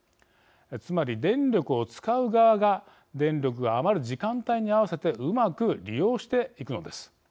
つまり、電力を使う側が電力が余る時間帯に合わせてうまく利用していくのです。